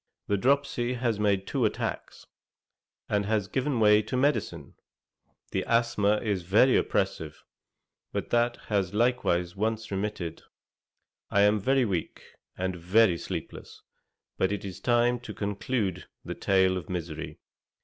The dropsy has made two attacks, and has given way to medicine; the asthma is very oppressive, but that has likewise once remitted. I am very weak, and very sleepless; but it is time to conclude the tale of misery.